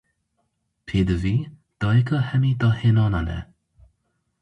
Pêdivî, dayîka hemî dahênanan e.